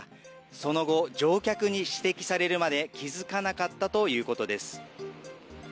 その後、乗客に指摘されるまで気付かなかったということです。